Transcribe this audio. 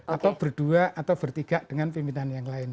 atau berdua atau bertiga dengan pimpinan yang lain